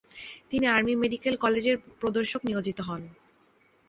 তিনি army medical কলেজের প্রদর্শক নিয়োজিত হন।